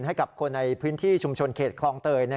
ให้กับคนในพื้นที่ชุมชนเขตคลองเตย